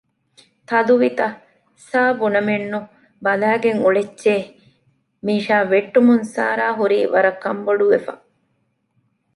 ތަދުވިތަ؟ ސާ ބުނަމެއްނު ބަލައިގެން އުޅެއްޗޭ! މީޝާ ވެއްޓުމުން ސާރާ ހުރީ ވަރަށް ކަންބޮޑުވެފަ